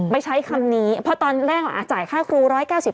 ใช้คำนี้เพราะตอนแรกจ่ายค่าครู๑๙๐บาท